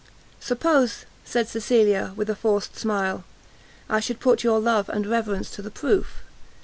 "Suppose," said Cecilia, with a forced smile, "I should put your love and reverence to the proof?